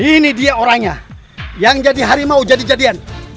ini dia orangnya yang jadi harimau jadi jadian